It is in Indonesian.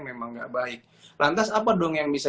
memang nggak baik lantas apa dong yang bisa